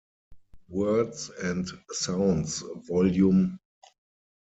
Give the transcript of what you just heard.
Words and Sounds Vol.